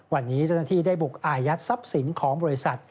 วันนี้เจ้าหน้าที่ได้บุกอายัดทรัพย์สินของบริษัท